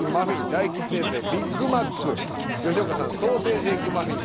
大吉先生「ビッグマック」吉岡さん「ソーセージエッグマフィン」